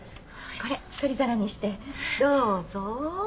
これ取り皿にしてどうぞ。